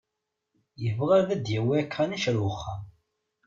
Yebɣa ad d-yawi akanic ar wexxam.